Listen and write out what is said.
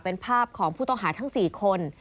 เป็นภาพของผู้ต้องหาทั้ง๔คน